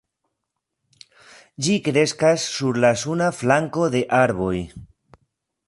Ĝi kreskas sur la suna flanko de arboj.